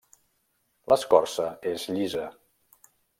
L'escorça és llisa.